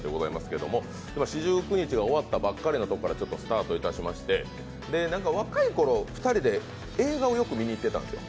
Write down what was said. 四十九日が終わったばかりのころからスタートしまして若い頃２人で映画をよく見に行ってたんですよ